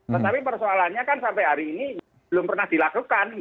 tetapi persoalannya kan sampai hari ini belum pernah dilakukan